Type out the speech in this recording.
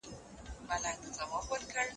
دا رنګ لا هېڅ نقاش لیدلی نه دی.